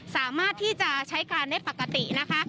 สามารถที่จะใช้การได้ปกตินะคะ